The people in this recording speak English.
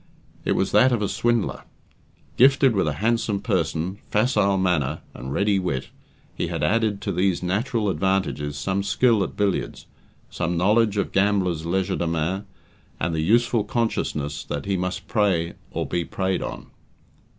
It was that of a swindler. Gifted with a handsome person, facile manner, and ready wit, he had added to these natural advantages some skill at billiards, some knowledge of gambler's legerdemain, and the useful consciousness that he must prey or be preyed on.